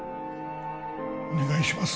お願いします